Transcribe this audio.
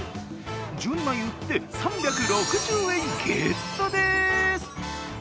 １２枚売って、３６０円ゲットです。